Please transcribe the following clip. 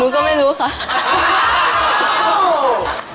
อุ้ยก็ไม่รู้ค่ะ